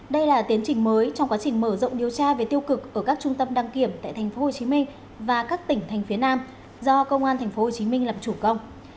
đây là tiến trình mới trong quá trình mở rộng điều tra về tiêu cực ở các trung tâm đăng kiểm tại tp hcm và các tỉnh thành phía nam do công an tp hcm làm chủ công